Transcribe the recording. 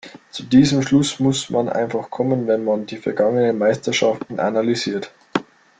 Zu diesem Schluss muss man einfach kommen, wenn man die vergangenen Meisterschaften analysiert.